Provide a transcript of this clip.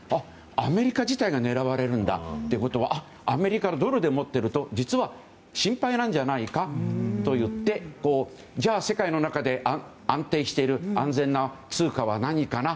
アメリカ自体が狙われるんだってことはアメリカのドルで持っていると実は心配なんじゃないかといってじゃあ、世界の中で安定している安全な通貨は何かな